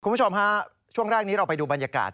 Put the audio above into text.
คุณผู้ชมฮะช่วงแรกนี้เราไปดูบรรยากาศ